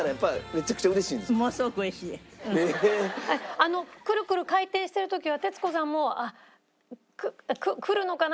あのくるくる回転してる時は徹子さんも来るのかな？